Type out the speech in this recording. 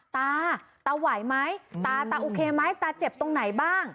ตาตาไหวไหมตาตาโอเคไหมตาเจ็บตรงไหนบ้าง